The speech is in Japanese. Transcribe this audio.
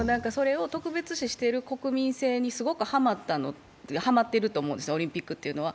特別視している国民性にすごくはまっていると思うんですね、オリンピックというのは。